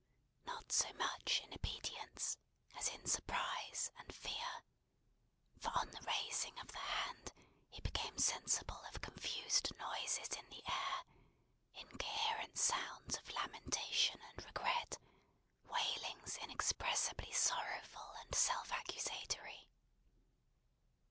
Not so much in obedience, as in surprise and fear: for on the raising of the hand, he became sensible of confused noises in the air; incoherent sounds of lamentation and regret; wailings inexpressibly sorrowful and self accusatory.